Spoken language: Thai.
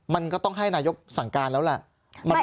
มันก็ต้องให้นายกสั่งการแล้วแหละ